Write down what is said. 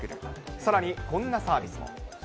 さらにこんなサービスも。